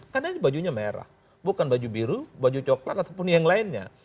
karena bajunya merah bukan baju biru baju coklat ataupun yang lainnya